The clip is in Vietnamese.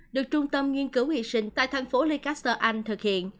được trung tâm nghiên cứu hy sinh tại thành phố lancaster anh thực hiện